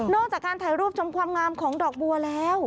จากการถ่ายรูปชมความงามของดอกบัวแล้ว